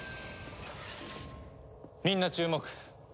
みんな注目。